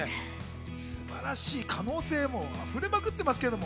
素晴らしい可能性に溢れまくってます。